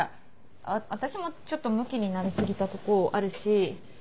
あっ私もちょっとむきになり過ぎたとこあるし。